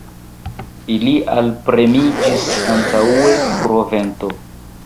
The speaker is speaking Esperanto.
Ili alpremiĝis antaŭe, pro vento.